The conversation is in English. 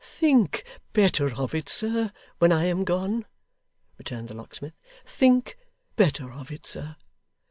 'Think better of it, sir, when I am gone,' returned the locksmith; 'think better of it, sir.